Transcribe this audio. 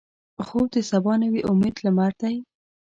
خوب د سبا نوې امیدي لمر دی